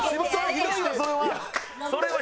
ひどいよそれは。